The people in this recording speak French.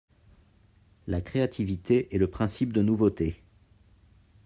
La créativité est le principe de nouveauté.